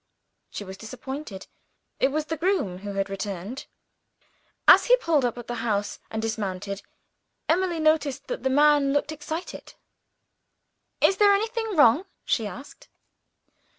She was disappointed: it was the groom who had returned. As he pulled up at the house, and dismounted, Emily noticed that the man looked excited. "Is there anything wrong?" she asked.